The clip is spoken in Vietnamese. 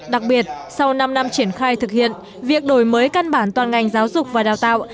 đặc biệt sau năm năm triển khai thực hiện việc đổi mới căn bản toàn ngành giáo dục và đào tạo